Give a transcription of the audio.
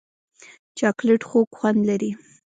چاکلېټ خوږ خوند لري.